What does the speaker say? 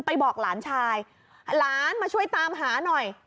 บอกหลานชายหลานมาช่วยตามหาหน่อย